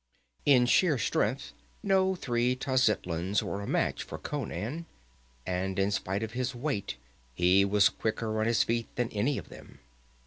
In sheer strength no three Tlazitlans were a match for Conan, and in spite of his weight he was quicker on his feet than any of them.